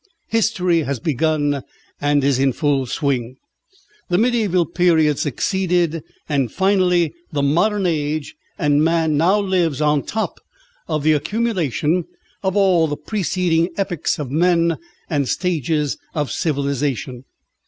History has begun and is in full swing. The mediæval period succeeded, and finally the modern age, and man now lives on top of the accumulation of all preceding epochs of men and stages of civilisation.